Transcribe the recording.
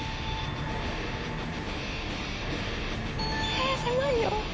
ええ狭いよ。